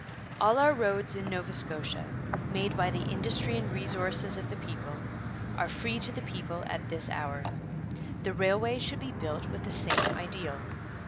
'All our roads in Nova Scotia, made by the industry and resources of the people, are free to the people at this hour.' The railway should be built with the same ideal.